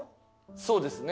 そうですね。